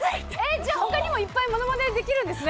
じゃあ、ほかにもいっぱいものまねできるんですね？